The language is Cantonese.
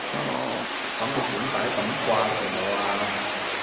噉你點解咁掛住我啊？